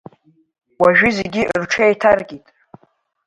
Уажәы зегьы рҽеиҭаркит.